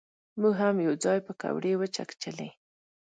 مونږ هم یو ځای پکوړې وچکچلې.